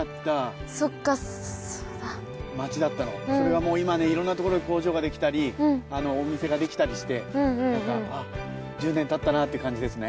それが今いろんな所に工場ができたりお店ができたりして１０年たったなって感じですね。